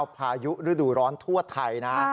พายุฤดูร้อนทั่วไทยนะ